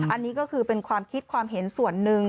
อันนี้ก็คือเป็นความคิดความเห็นส่วนหนึ่ง